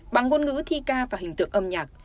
bằng ngôn ngữ thi ca và hình tượng âm nhạc